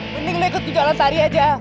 mending lo ikut kejuaraan sari aja